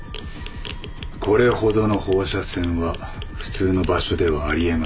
これほどの放射線は普通の場所ではあり得ません。